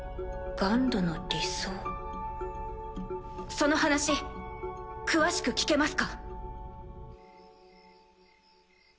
その話詳しく聞けますか？